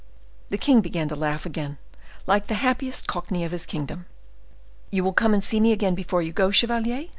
The king began to laugh again, like the happiest cockney of his kingdom. "You will come and see me again before you go, chevalier?"